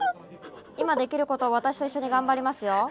今できることを私と一緒にがんばりますよ。